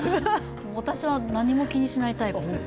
私は何も気にしないタイプ。